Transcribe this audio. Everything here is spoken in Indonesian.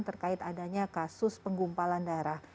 terkait adanya kasus penggumpalan darah